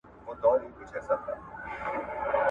نور د سوال لپاره نه ځو په اسمان اعتبار نسته